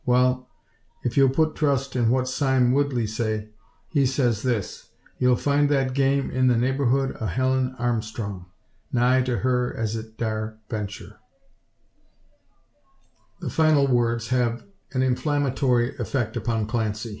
Wal; ef you'll put trust in what Sime Woodley say, he sez this: ye'll find that game in the neighbourhood o' Helen Armstrong; nigh to her as it dar' ventur'." The final words have an inflammatory effect upon Clancy.